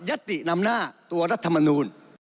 ตินำหน้าตัวรัฐมนูล